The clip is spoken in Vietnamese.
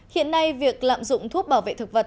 hiện nay việc lạm dụng thuốc bảo vệ thực vật